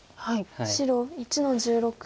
白１の十六。